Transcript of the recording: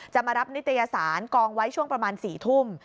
มารับนิตยสารกองไว้ช่วงประมาณ๔ทุ่ม